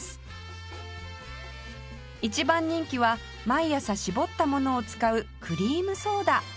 一番人気は毎朝搾ったものを使うクリームソーダ